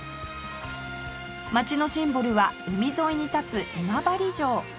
街のシンボルは海沿いに立つ今治城